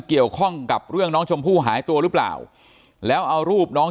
เกี่ยวข้องกับเรื่องน้องชมพู่หายตัวหรือเปล่าแล้วเอารูปน้อง